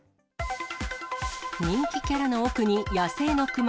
人気キャラの奥に野生のクマ。